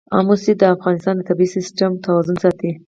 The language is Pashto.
آمو سیند د افغانستان د طبعي سیسټم توازن ساتي.